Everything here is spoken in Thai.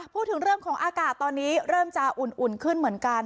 พูดถึงเรื่องของอากาศตอนนี้เริ่มจะอุ่นขึ้นเหมือนกัน